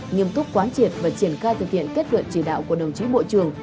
nghiêm túc quán triệt và triển khai thực hiện kết luận chỉ đạo của đồng chí bộ trưởng